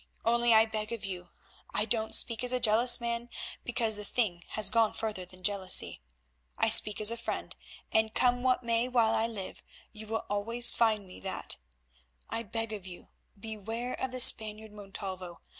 Only I beg of you—I don't speak as a jealous man, because the thing has gone further than jealousy—I speak as a friend, and come what may while I live you will always find me that—I beg of you, beware of the Spaniard, Montalvo.